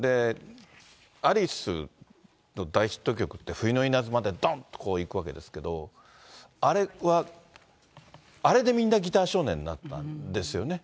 アリスの大ヒット曲って、冬の稲妻でどんとこう、いくわけですけれども、あれは、あれでみんなギター少年になったんですよね。